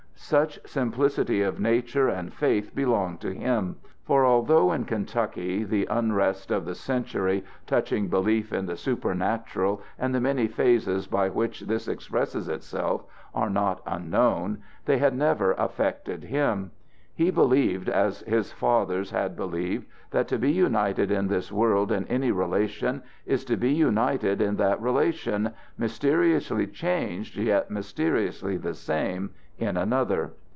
Such simplicity of nature and faith belonged to him; for although in Kentucky the unrest of the century touching belief in the supernatural, and the many phases by which this expresses itself, are not, unknown, they had never affected him. He believed as his fathers had believed, that to be united in this world in any relation is to be united in that relation, mysteriously changed yet mysteriously the same, in another.